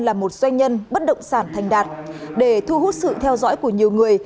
là một doanh nhân bất động sản thành đạt để thu hút sự theo dõi của nhiều người